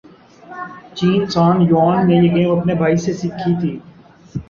چین سان یوان نے یہ گیم اپنے بھائی سے سیکھی تھی